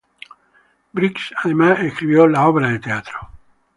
Briggs además escribió la obra de teatro.